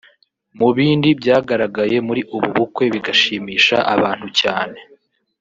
Mu bindi byagaragaye muri ubu bukwe bigashimisha abantu cyane